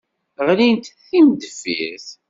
Ɣlint d timendeffirt.